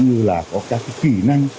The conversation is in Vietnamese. cũng như là có các kỹ năng